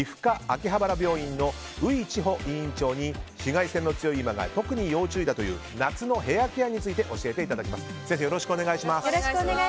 秋葉原病院の宇井千穂院長に紫外線の強い今特に要注意だという夏のヘアケアについて教えていただきます。